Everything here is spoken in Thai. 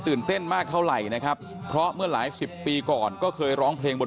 เต้นมากเท่าไหร่นะครับเพราะเมื่อหลายสิบปีก่อนก็เคยร้องเพลงบน